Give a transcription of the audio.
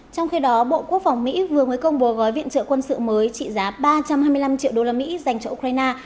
trong khi đó bộ quốc phòng mỹ vừa mới công bố gói viện trợ quân sự mới trị giá ba trăm hai mươi năm triệu đô la mỹ dành cho ukraine